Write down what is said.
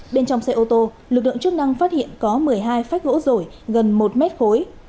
bên trong xe ô tô lực lượng chức năng phát hiện có một mươi hai phách gỗ rổi gần một mét khối